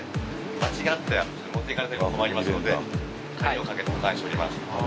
間違って持っていかれては困りますので鍵をかけて保管しております。